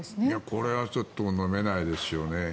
これはちょっとのめないですよね。